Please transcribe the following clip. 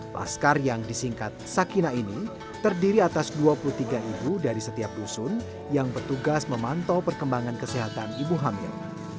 laskar yang disingkat sakina ini terdiri atas dua puluh tiga ibu dari setiap dusun yang bertugas memantau perkembangan kesehatan ibu hamil